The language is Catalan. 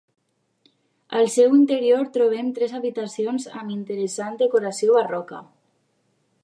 Al seu interior trobem tres habitacions amb interessant decoració barroca.